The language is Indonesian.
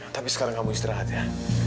tapi sekarang kamu istirahat ya